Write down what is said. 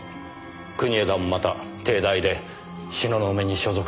国枝もまた帝大で東雲に所属していました。